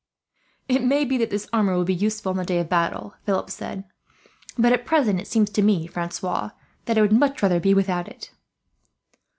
"It may be that this armour will be useful, on the day of battle," Philip said; "but at present it seems to me, Francois, that I would much rather be without it."